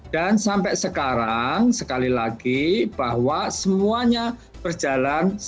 dan sampai sekarang sekali lagi bahwa semuanya berjalan sepenuhnya